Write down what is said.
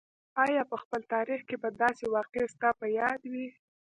آیا په خپل تاریخ کې به داسې واقعه ستا په یاد وي.